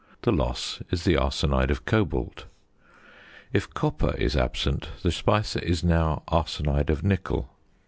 The loss is the arsenide of cobalt. If copper is absent, the speise is now arsenide of nickel.